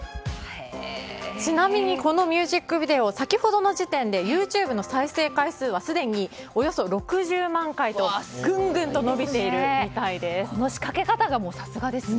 ちなみにこのミュージックビデオ先ほどの時点でＹｏｕＴｕｂｅの再生回数はすでにおよそ６０万回とぐんぐんと伸びているみたいです。